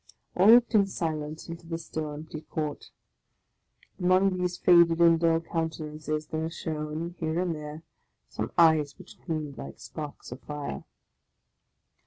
All looked in silence into the still empty court ; among these faded and dull countenances there shown, here and there, some eyes which gleamed like sparks of fire.